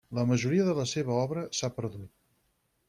La majoria de la seva obra s'ha perdut.